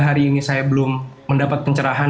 hari ini saya belum mendapat pencerahan